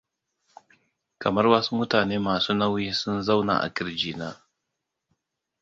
kamar wasu mutane masu nauyi sun zauna a kirji na?